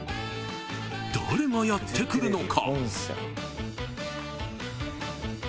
［誰がやって来るのか？］